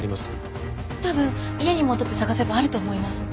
多分家に戻って探せばあると思います。